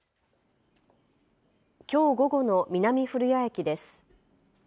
きょう午後の南古谷駅です。